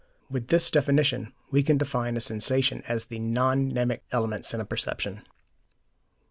With this definition, we can define a sensation as the non mnemic elements in a perception.